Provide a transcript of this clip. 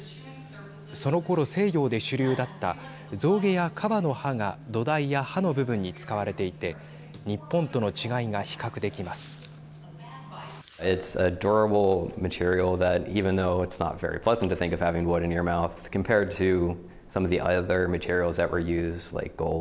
そのころ西洋で主流だった象牙や、かばの歯が土台や歯の部分に使われていて日本との違いが比較できます。